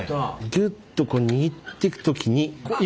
ギュッとこう握ってく時に今。